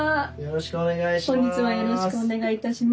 よろしくお願いします。